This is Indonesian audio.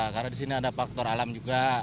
karena di sini ada faktor alam juga